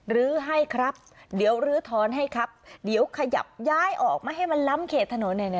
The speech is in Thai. ลื้อให้ครับเดี๋ยวลื้อถอนให้ครับเดี๋ยวขยับย้ายออกมาให้มันล้ำเขตถนนหน่อยนะ